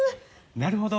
なるほど。